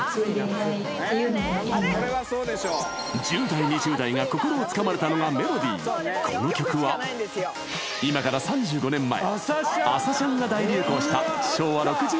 １０代２０代が心をつかまれたのがメロディーこの曲は今から３５年前